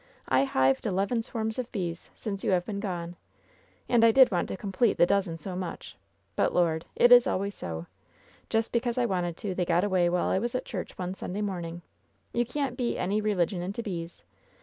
I hived eleven swarms of bees since you have been gone. And I did want to complete the dozen so muck But, Lord 1 it is always so. Just because I wanted to, they got away while I was at church one Sunday morning. You can't beat any religion into bees.